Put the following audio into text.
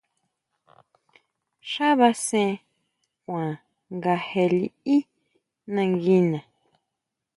Xá basen kuan nga jeʼe liʼí nanguina.